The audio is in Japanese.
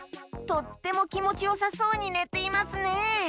とってもきもちよさそうにねていますね！